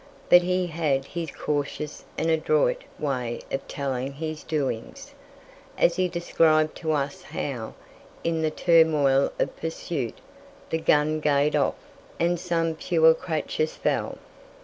But he had his cautious and adroit way of telling his doings, as he described to us how, in the turmoil of pursuit, "the gun gaed aff" and "some puir craturs fell."